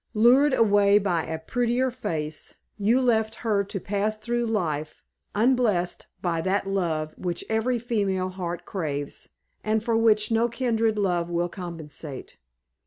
Lured away by a prettier face, you left her to pass through life, unblessed by that love which every female heart craves, and for which no kindred love will compensate.